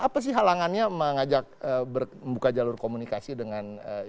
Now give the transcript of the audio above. apa sih halangannya mengajak membuka jalur komunikasi dengan